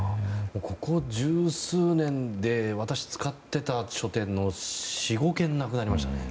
ここ十数年で私が使っていた書店が４５軒なくなりましたね。